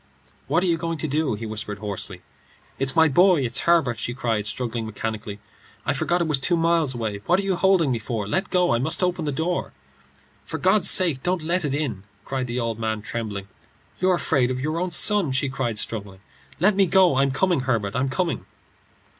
"What are you going to do?" he whispered hoarsely. "It's my boy; it's Herbert!" she cried, struggling mechanically. "I forgot it was two miles away. What are you holding me for? Let go. I must open the door." "For God's sake don't let it in," cried the old man, trembling. "You're afraid of your own son," she cried, struggling. "Let me go. I'm coming, Herbert; I'm coming."